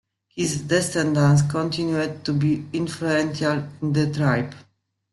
His descendants continued to be influential in the tribe.